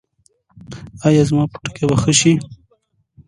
ایا زما پوټکی به ښه شي؟